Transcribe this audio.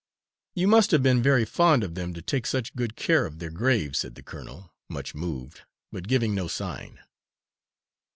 "You must have been very fond of them to take such good care of their graves," said the colonel, much moved, but giving no sign.